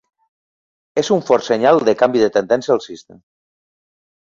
És un fort senyal de canvi de tendència alcista.